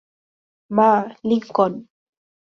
মা, লিংকন।